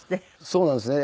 そうなんですね。